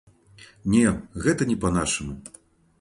Не, гэта не па-нашаму.